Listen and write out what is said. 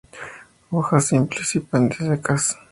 Hojas simples y pinnatisectas.